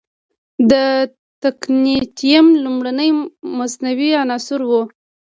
د تکنیټیم لومړنی مصنوعي عنصر و.